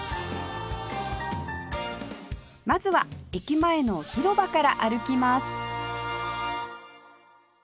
まずは駅前の広場から歩きます